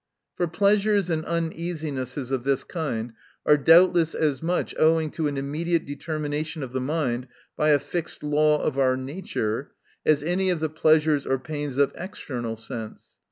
For pleasures and uneasinesses of this kind are doubtless as much owing to an immediate determination of the mind by a fixed law of our nature, as any of the pleasures or pains of external sense.